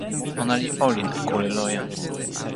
ona li olin e kule loje.